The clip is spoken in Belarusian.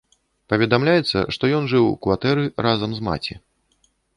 Паведамляецца, што ён жыў у кватэры разам з маці.